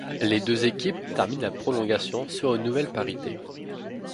Les deux équipes terminent la prolongation sur une nouvelle parité.